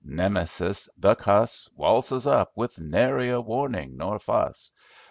Nemesis, the cuss, Waltzes up with nary a warnin' nor fuss.